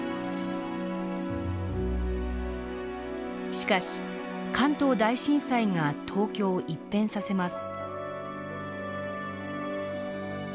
しかし関東大震災が東京を一変させます。